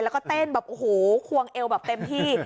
แล้วก็เต้นแบบโอ้โหควงเอวแบบเต็มที่